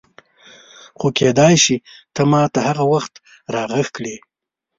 خو کېدای شي ته ما ته هغه وخت راغږ کړې.